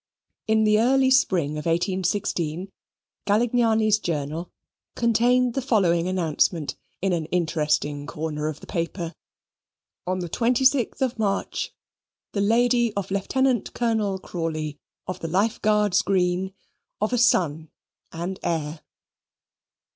In the early spring of 1816, Galignani's Journal contained the following announcement in an interesting corner of the paper: "On the 26th of March the Lady of Lieutenant Colonel Crawley, of the Life Guards Green of a son and heir."